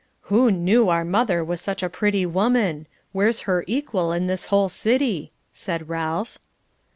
"Who knew our mother was such a pretty woman? Where's her equal in this whole city?" said Ralph.